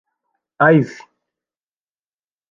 iv.